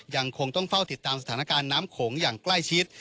ยังคงต้องเฝ้าติดตามสถานการณ์น้ำโขงอย่างใกล้ชิด